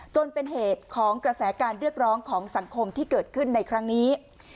จนเป็นเหตุของกระแสการเรียกร้องของสังคมที่เกิดขึ้นในครั้งนี้